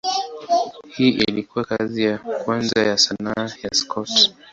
Hii ilikuwa kazi ya kwanza ya sanaa ya Scott.